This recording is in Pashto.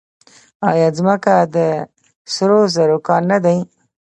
آیا ځمکه د سرو زرو کان نه دی؟